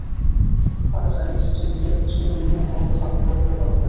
ফারাজ আইয়াজ হোসেন নিজের জীবনের বিনিময়ে মায়ের কথা অক্ষরে অক্ষরে পালন করেছে।